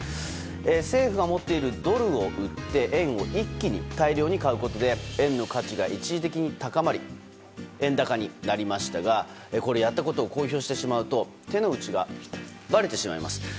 政府が持っているドルを売って円を一気に大量に買うことで円の価値が一時的に高まり円高になりましたがこれ、やったことを公表してしまうと手の内がばれてしまいます。